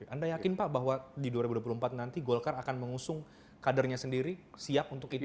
anda yakin pak bahwa di dua ribu dua puluh empat nanti golkar akan mengusung kadernya sendiri siap untuk itu